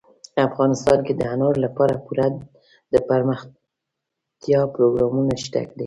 افغانستان کې د انارو لپاره پوره دپرمختیا پروګرامونه شته دي.